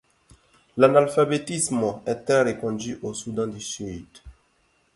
L'analphabétisme est très répandu au Soudan du Sud.